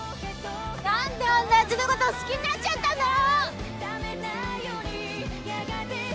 「何であんなやつのこと好きになっちゃったんだろ！」